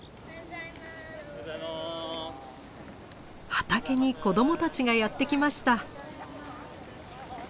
畑に子供たちがやって来ました。